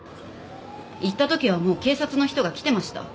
行った時はもう警察の人が来てました。